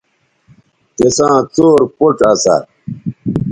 تِساں څور پوڇ اسا